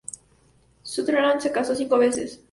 Sutherland se casó cinco veces.